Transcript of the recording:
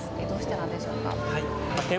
どうしてなんでしょうか。